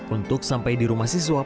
untuk sampai di rumah siswa